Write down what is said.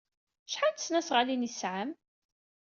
Acḥal n tesnasɣalin ay tesɛam?